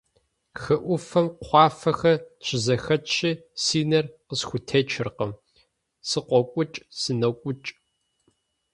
Хы Ӏуфэм кхъуафэхэр щызэхэтщи, си нэр къысхутечыркъым: сыкъокӀукӀ-сынокӀукӀ.